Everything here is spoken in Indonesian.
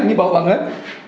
ini bau banget